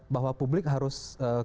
bahwa publik harus